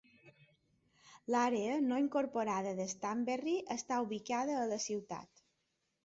L'àrea no incorporada de Stanberry està ubicada a la ciutat.